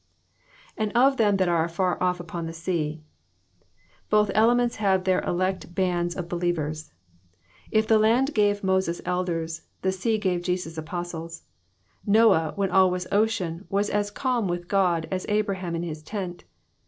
''''And of them thai are afar off upon the sea,"*^ Both elements have their elect bands of believers. If the land gave Moses elders, the sea gave Jesus apostles. Noah, when all was ocean, was as calm with God as Abraham in his tent.